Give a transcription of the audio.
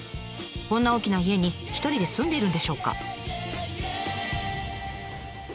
こんな大きな家に一人で住んでいるんでしょうか？